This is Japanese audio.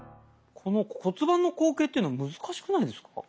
この骨盤の後傾っていうの難しくないですか？